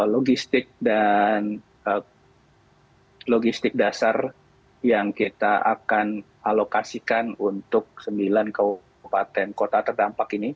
logistik dan logistik dasar yang kita akan alokasikan untuk sembilan kabupaten kota terdampak ini